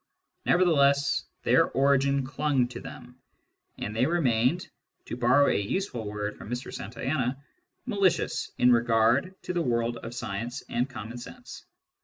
Nevertheless their origin clung to them, and they remained — to borrow a useful word from Mn Santayana »— "malicious" in regard to the world of science and common sense.